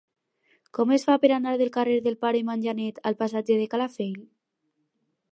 Com es fa per anar del carrer del Pare Manyanet al passatge de Calafell?